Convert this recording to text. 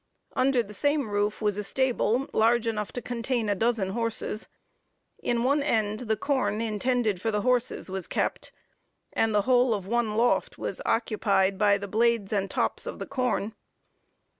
Under the same roof was a stable large enough to contain a dozen horses. In one end the corn intended for the horses was kept, and the whole of one loft was occupied by the blades and tops of the corn.